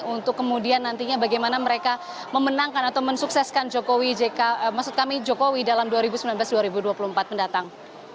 untuk kemudian nantinya bagaimana mereka memenangkan atau mensukseskan jokowi jk maksud kami jokowi dalam dua ribu sembilan belas dua ribu dua puluh empat mendatang